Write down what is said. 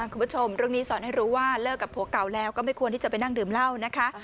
คุณผู้ชมเรื่องนี้สอนให้รู้ว่าเลิกกับผัวเก่าแล้วก็ไม่ควรที่จะไปนั่งดื่มเหล้านะคะ